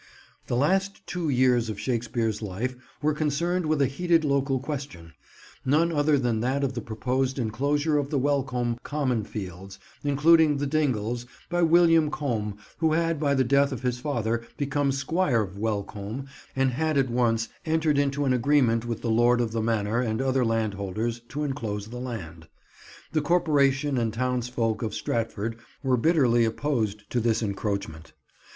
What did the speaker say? The last two years of Shakespeare's life were concerned with a heated local question: none other than that of the proposed enclosure of the Welcombe common fields, including The Dingles, by William Combe who had by the death of his father become squire of Welcombe and had at once entered into an agreement with the lord of the manor and other landholders to enclose the land. The corporation and townsfolk of Stratford were bitterly opposed to this encroachment.